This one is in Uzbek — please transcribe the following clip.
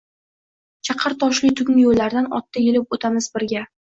Chaqir toshli tungi yoʻllardan otda yelib oʻtamiz birga